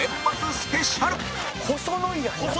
スペシャル細